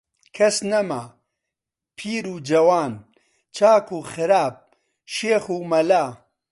کەس نەما، پیر و جەوان، چاک و خراپ، شێخ و مەلا